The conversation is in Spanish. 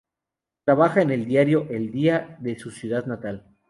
Trabaja en el diario "El Día", de su ciudad natal.